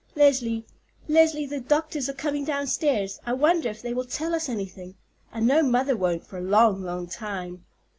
Leslie, Leslie, the doctors are coming downstairs. I wonder if they will tell us anything? I know mother won't for a long, long time."